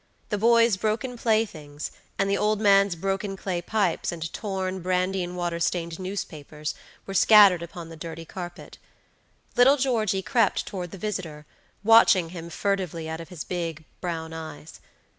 The boy's broken playthings, and the old man's broken clay pipes and torn, brandy and water stained newspapers were scattered upon the dirty carpet. Little Georgey crept toward the visitor, watching him furtively out of his big, brown eyes.